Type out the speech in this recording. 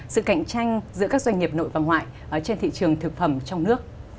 sự cạnh tranh giữa các doanh nghiệp nội và ngoại trên thị trường thực phẩm trong nước